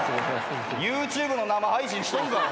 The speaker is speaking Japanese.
ＹｏｕＴｕｂｅの生配信しとんか。